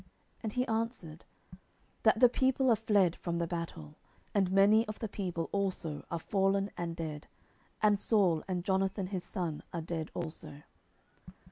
And he answered, That the people are fled from the battle, and many of the people also are fallen and dead; and Saul and Jonathan his son are dead also.